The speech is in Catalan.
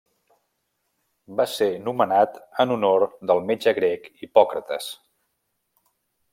Va ser nomenat en honor del metge grec Hipòcrates.